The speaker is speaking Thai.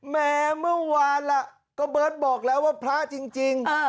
แม้เมื่อวานล่ะก็เบิร์ตบอกแล้วว่าพระจริง